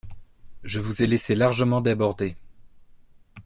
Je vous ai laissé largement déborder.